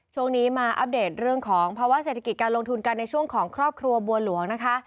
ช่วงนี้มาอัปเดตเรื่องของภาวะเศรษฐกิจการลงทุนกันในช่วงของครอบครัวบัวหลวงนะคะ